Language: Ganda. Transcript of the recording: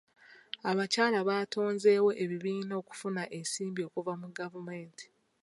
Abakyala batonzeewo ebibiina okufuna ensimbi okuva mu gavumenti.